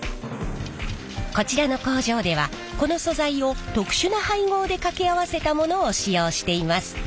こちらの工場ではこの素材を特殊な配合で掛け合わせたものを使用しています。